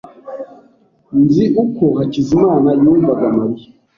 Nzi uko Hakizimana yumvaga Mariya.